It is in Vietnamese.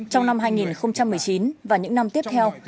trong năm hai nghìn một mươi chín và những năm tiếp theo